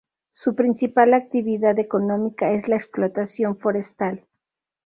Su principal actividad económica es la explotación forestal.